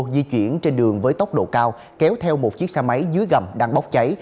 di chuyển trên đường với tốc độ cao kéo theo một chiếc xe máy dưới gầm đang bốc cháy